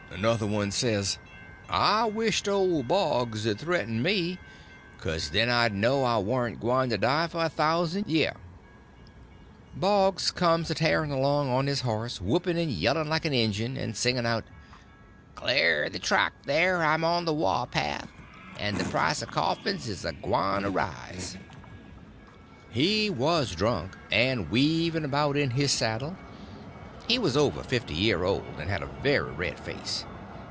Another one says, "I wisht old Boggs 'd threaten me, 'cuz then I'd know I warn't gwyne to die for a thousan' year." Boggs comes a tearing along on his horse, whooping and yelling like an Injun, and singing out: "Cler the track, thar. I'm on the waw path, and the price uv coffins is a gwyne to raise." He was drunk, and weaving about in his saddle; he was over fifty year old, and had a very red face.